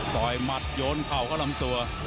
หมัดโยนเข่าเข้าลำตัว